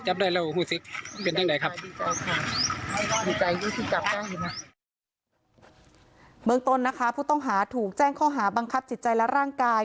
เมืองต้นนะคะผู้ต้องหาถูกแจ้งข้อหาบังคับจิตใจและร่างกาย